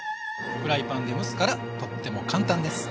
フライパンで蒸すからとっても簡単です。